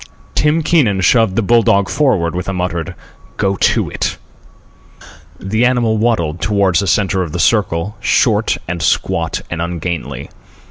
Tim Keenan shoved the bull dog forward with a muttered "Go to it." The animal waddled toward the centre of the circle, short and squat and ungainly.